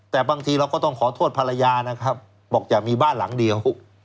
แต่บางทีเราก็ต้องขอโทษภรรยานะครับบอกอย่ามีบ้านหลังเดียว